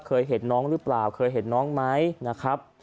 เคยเห็นน้องหรือเปล่าเคยเห็นน้องไหมนะครับ